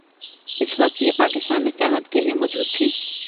اس وقت یہ پاکستان میں سیاحت کے لیئے موجود تھیں۔